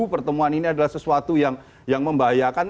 pertemuan ini adalah sesuatu yang membahayakan